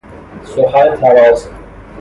سخن طراز